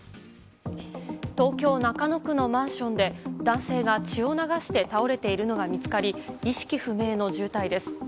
東京・中野区のマンションで男性が血を流して倒れているのが見つかり、意識不明の重体です。